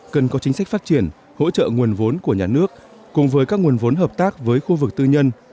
cần có chính sách phát triển hỗ trợ nguồn vốn của nhà nước cùng với các nguồn vốn hợp tác với khu vực tư nhân